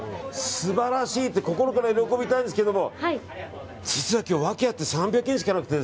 素晴らしいと心から喜びたいんですが実は今日、訳あって３００円しかなくて。